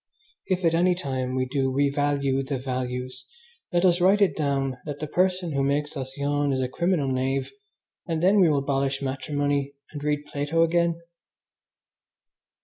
If at any time we do revalue the values, let us write it down that the person who makes us yawn is a criminal knave, and then we will abolish matrimony and read Plato again.